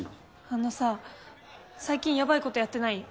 あのさ最近ヤバいことやってない？